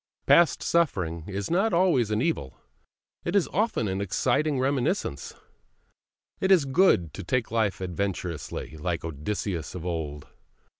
Past suffering is not always an evil, it is often an exciting reminiscence. It is good to take life adventurously, like Odysseus of old.